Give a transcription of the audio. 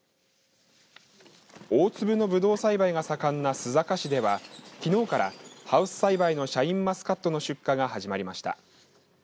大粒のぶどう栽培が盛んな須坂市ではきのうからハウス栽培のシャインマスカットの出荷が始まりました。